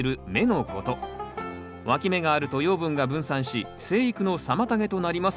わき芽があると養分が分散し生育の妨げとなります。